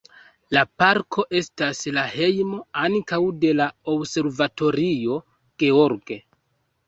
La parko estas la hejmo ankaŭ de la Observatorio George.